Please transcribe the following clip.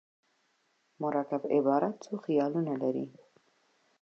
مرکب عبارت څو خیالونه لري.